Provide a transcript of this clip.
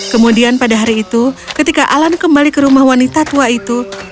kemudian pada hari itu ketika alan kembali ke rumah wanita tua itu